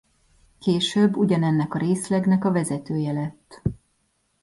Később ugyanennek a részlegnek a vezetője lett.